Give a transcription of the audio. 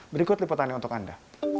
berikut liputannya untuk anda